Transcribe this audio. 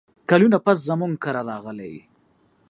کلونه پس زموږ کره راغلې یې !